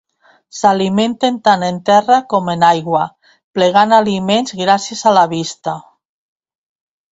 S'alimenten tant en terra com en aigua, plegant aliments gràcies a la vista.